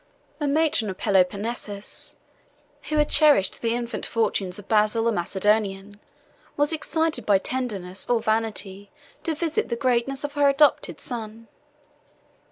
36 A matron of Peloponnesus, 37 who had cherished the infant fortunes of Basil the Macedonian, was excited by tenderness or vanity to visit the greatness of her adopted son.